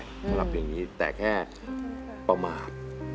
สำหรับอย่างนี้แต่แค่ประมาท